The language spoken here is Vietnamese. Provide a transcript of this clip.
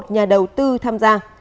nhà đầu tư tham gia